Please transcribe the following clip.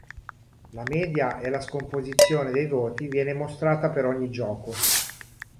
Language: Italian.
La media e la scomposizione dei voti viene mostrata per ogni gioco.